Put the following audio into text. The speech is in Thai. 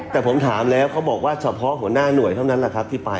แต่ผมถามแล้วเขาบอกว่าเฉพาะหัวหน้าหน่วยเท่านั้นแหละครับที่ไป